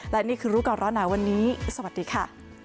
และนี่คือรู้ก่อนร้อนหนาวันนี้สวัสดีค่ะ